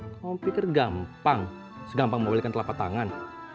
kamu pikir gampang segampang mau belikan telapak tangan